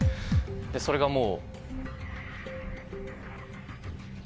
それがもう。